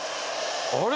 あれ？